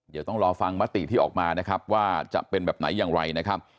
เดี๋ยวต้องรอฟังมติที่ออกมานะครับว่าจะเป็นแบบไหนอย่างไรนะครับ